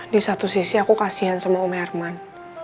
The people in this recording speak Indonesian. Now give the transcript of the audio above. di satu sisi aku kasian sama om herman